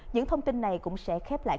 những thông tin này cũng sẽ khép lại